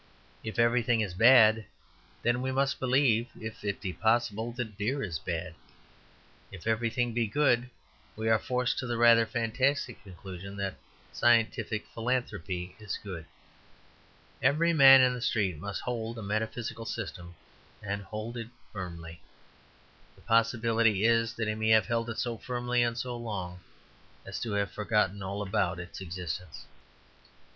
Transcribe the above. If everything is bad, then we must believe (if it be possible) that beer is bad; if everything be good, we are forced to the rather fantastic conclusion that scientific philanthropy is good. Every man in the street must hold a metaphysical system, and hold it firmly. The possibility is that he may have held it so firmly and so long as to have forgotten all about its existence.